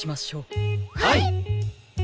はい！